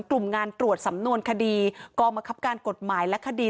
กลุ่มงานตรวจสำนวนคดีกองบังคับการกฎหมายและคดี